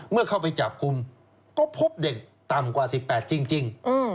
เมื่อเข้าไปจับกลุ่มก็พบเด็กต่ำกว่า๑๘จริง